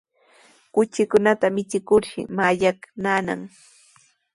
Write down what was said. Kuchikunata michikurshi mallaqnanaq.